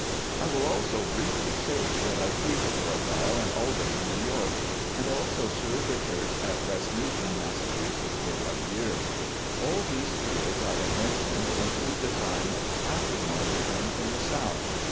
I will also briefly state, that I preached for a while in Albany, New York. And also served the church at West Newton, Mass., for one year. All these fields I have mentioned include the time after my return from the South.